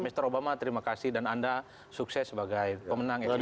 mister obama terima kasih dan anda sukses sebagai pemenang ekonomi